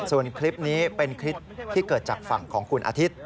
ส่วนคลิปนี้เป็นคลิปที่เกิดจากฝั่งของคุณอาทิตย์